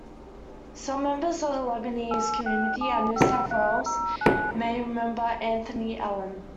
Some members of the Lebanese community in New South Wales may remember Anthony Alam.